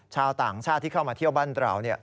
ชาวต่างชาติที่เข้ามาเที่ยวบ้านเรา